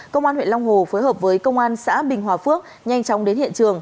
công an huyện long hồ phối hợp với công an xã bình hòa phước nhanh chóng đến hiện trường